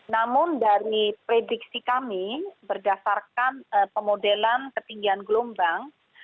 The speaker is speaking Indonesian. namun dari prediksi kami berdasarkan pemodelan ketinggian gelombang